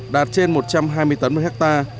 đạt trên một trăm hai mươi tấn một ha